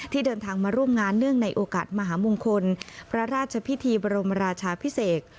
เดินทางมาร่วมงานเนื่องในโอกาสมหามงคลพระราชพิธีบรมราชาพิเศษ